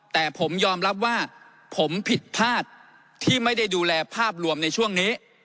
แต่ผมยอมรับว่าผมผิดพลาดที่ไม่ได้ดูแลภาพรวมในช่วงนี้